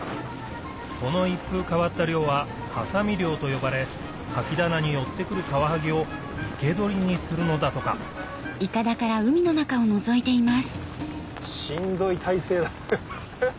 この一風変わった漁は「挟み漁」と呼ばれカキ棚に寄ってくるカワハギを生け捕りにするのだとかしんどい体勢だ。